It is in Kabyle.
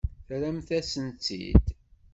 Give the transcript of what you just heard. Terram-as-tt-id.